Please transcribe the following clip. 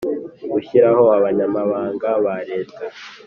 gushyiraho abanyamabanga ba leta